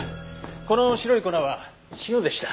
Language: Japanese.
この白い粉は塩でした。